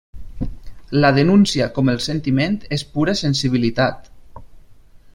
La denúncia, com el sentiment, és pura sensibilitat.